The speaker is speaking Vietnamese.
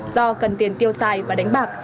do cần tiền tiêu xài và đánh bạc